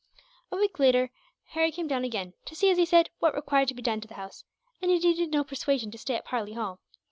A week later Harry came down again to see, as he said, what required to be done to the house; and he needed no persuasion to stay at Parley Hall.